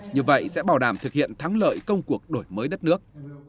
như vậy sẽ bảo đảm thực hiện thắng lợi công cuộc đổi mới đất nước